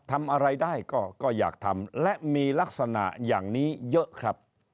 ทำอะไรได้ก็อยากทำและมีลักษณะอย่างนี้เยอะครับ